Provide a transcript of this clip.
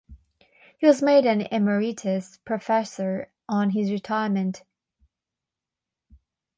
He was made an emeritus professor on his retirement.